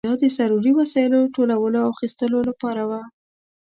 دا د ضروري وسایلو ټولولو او اخیستلو لپاره وه.